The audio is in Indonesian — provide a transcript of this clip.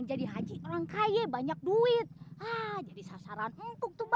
jadi haji orang kaya banyak duit hai wise saran untuk tuh bang ah lo benerin lebih bener ndru lihat